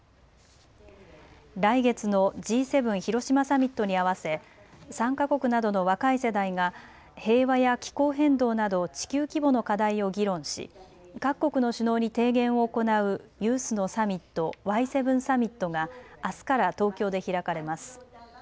来月のＧ７広島サミットに合わせ参加国などの若い世代が平和や気候変動など地球規模の課題を議論し各国の首脳に提言を行うユースのサミット、Ｙ７サミットがあすから東京で開かれます。